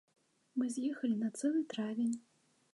Мы з'ехалі на цэлы травень.